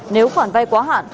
nếu khoản vai quá hạn